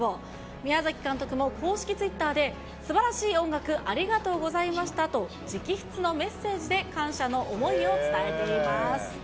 宮崎監督も公式ツイッターで、すばらしい音楽ありがとうございましたと、直筆のメッセージで感謝の思いを伝えています。